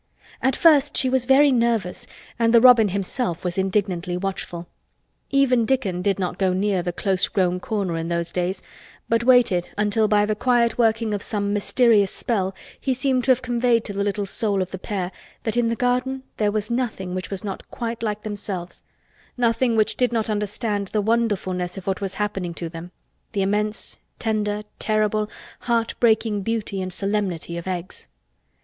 At first she was very nervous and the robin himself was indignantly watchful. Even Dickon did not go near the close grown corner in those days, but waited until by the quiet working of some mysterious spell he seemed to have conveyed to the soul of the little pair that in the garden there was nothing which was not quite like themselves—nothing which did not understand the wonderfulness of what was happening to them—the immense, tender, terrible, heart breaking beauty and solemnity of Eggs.